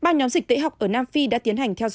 ba nhóm dịch tễ học ở nam phi đã tiến hành theo dõi